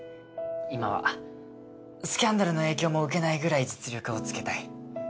今はスキャンダルの影響も受けないくらい実力をつけたい。